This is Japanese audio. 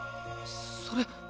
それ。